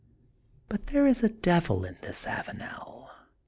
But there is a devil in this Avanel.